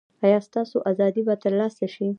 ایا ستاسو ازادي به ترلاسه شي؟